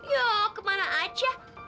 ya kemana aja